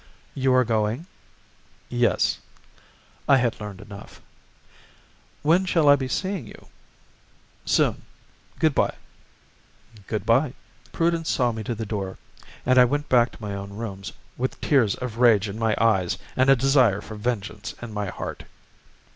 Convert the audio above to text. "You are going?" "Yes." I had learned enough. "When shall I be seeing you?" "Soon. Good bye." "Good bye." Prudence saw me to the door, and I went back to my own rooms with tears of rage in my eyes and a desire for vengeance in my heart.